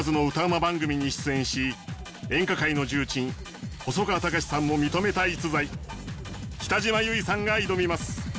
番組に出演し演歌界の重鎮細川たかしさんも認めた逸材北島由唯さんが挑みます。